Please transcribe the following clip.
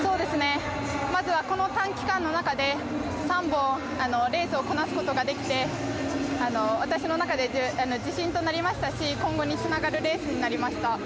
まずはこの短期間の中で３本レースをこなすことができて私の中で、自信となりましたし今後につながるレースになりました。